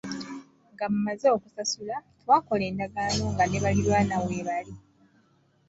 Nga mmaze okusasula, twakola endagaano nga ne baliraanwa weebali.